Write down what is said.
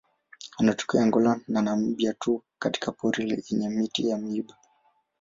Anatokea Angola na Namibia tu katika pori yenye miti ya miiba.